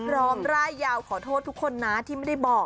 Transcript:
ร่ายยาวขอโทษทุกคนนะที่ไม่ได้บอก